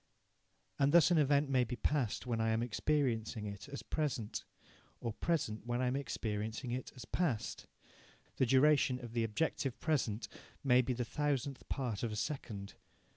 And thus an event may be past when I am experiencing it as present, or present when I am experiencing it as past. The duration of the objective present may be the thousandth part of a second.